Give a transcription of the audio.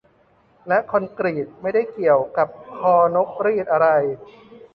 และคอนกรีต ไม่ได้เกี่ยวกับคอ หรือนกอะไร